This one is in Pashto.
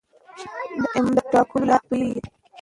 د امام د ټاکلو لاري دوې دي.